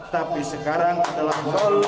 tapi sekarang adalah